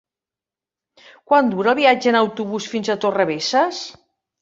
Quant dura el viatge en autobús fins a Torrebesses?